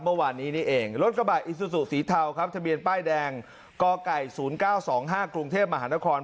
เมื่อวานนี้นี่เองรถกระบะอิซูซูสีเทาครับทะเบียนป้ายแดงกไก่๐๙๒๕กรุงเทพมหานคร